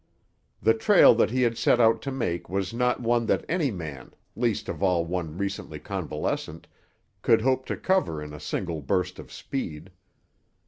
The trail that he had set out to make was not one that any man, least of all one recently convalescent, could hope to cover in a single burst of speed.